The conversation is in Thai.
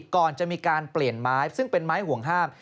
ก่อนจะมีการเปลี่ยนไม้ซึ่งเป็นไม้ห่วงห้าม